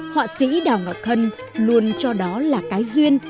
họa sĩ đào ngọc thân luôn cho đó là cái duyên